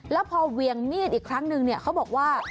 แล้วพอเวียงมีดอีกครั้งนึงเนี่ยเขาบอกว่า